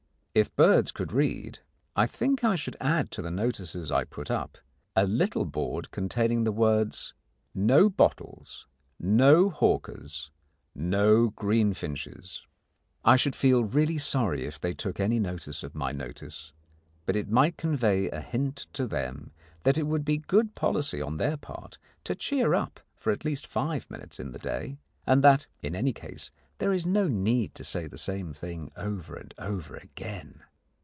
If birds could read, I think I should add to the notices I put up a little board containing the words: "No bottles. No hawkers, No greenfinches." I should feel really sorry if they took any notice of my notice, but it might convey a hint to them that it would be good policy on their part to cheer up for at least five minutes in the day and that, in any case, there is no need to say the same thing over and over again.